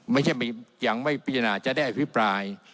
ไม่ใช่อย่างไม่พิจารณาจะได้แนะนำพิเปลาย